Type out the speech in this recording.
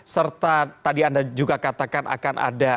serta tadi anda juga katakan akan ada